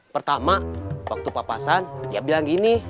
pertama waktu papasan dia bilang gini